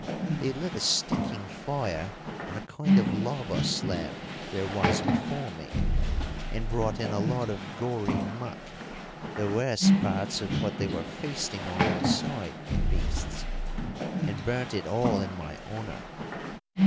They lit a stinking fire on a kind of lava slab there was before me, and brought in a lot of gory muck the worst parts of what they were feasting on outside, the Beasts and burnt it all in my honour.